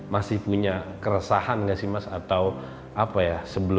masih punya keresahan nggak sih mas atau apa ya